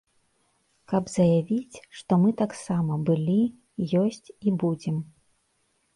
Каб заявіць, што, мы таксама былі, ёсць і будзем!